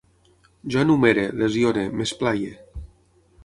Jo enumere, lesione, m'esplaie